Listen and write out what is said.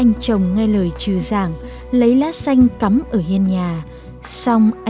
anh trồng ngay lời trừ giảng lấy lá xanh cắm ở hiên nhà xong anh không nữa hôn mồm vợ lại